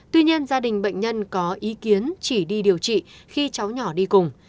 tuy nhiên gia đình bệnh nhân có ý kiến chỉ đi điều trị khi cháu nhỏ đi cùng